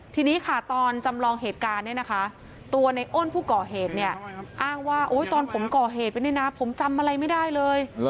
ทีนี้ค่ะตอนจำลองเหตุการณ์เนี่ยนะคะตัวในอ้นผู้ก่อเหตุเนี่ยอ้างว่าตอนผมก่อเหตุไปเนี่ยนะผมจำอะไรไม่ได้เลย